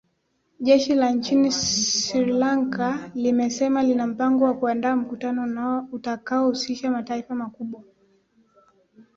jeshi la nchini sri lanka limesema lina mpango wa kuandaa mkutano utakaohusisha mataifa makubwa